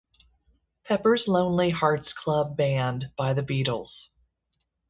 Pepper's Lonely Hearts Club Band by The Beatles.